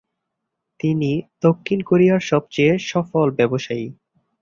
তিনি দক্ষিণ কোরিয়ার সবচেয়ে সফল ব্যবসায়ী।